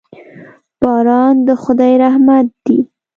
باران د خداي رحمت دي.